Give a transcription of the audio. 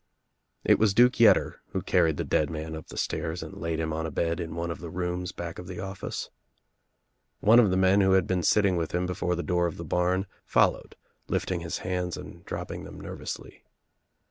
It was Duke Yetter who carried the dead man up the stairs and laid him on a bed in one of the rooms back of the office. One of the men who had been sitting with him before the door of the barn followed lifting his hands and dropping them nervously.